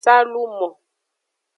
Salumo.